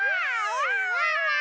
ワンワーン！